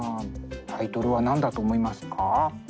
タイトルは何だと思いますか？